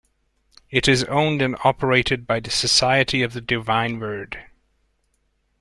It is owned and operated by the Society of the Divine Word.